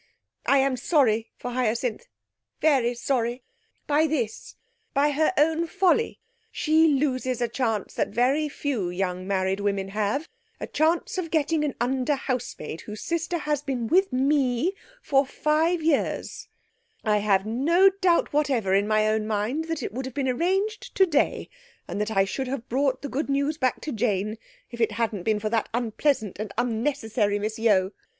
I am sorry for Hyacinth, very sorry. By this, by her own folly, she loses a chance that very few young married women have a chance of getting an under housemaid, whose sister has been with me for five years! I have no doubt whatever in my own mind that it would have been arranged today, and that I should have brought the good news back to Jane, if it hadn't been for that unpleasant and unnecessary Miss Yeo.